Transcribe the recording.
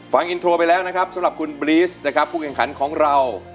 ฟังอินโทรไปแล้วสำหรับคุณบรีสผู้เก่งขันของเรา